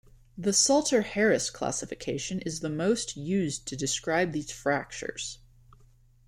The Salter-Harris classification is the most used to describe these fractures.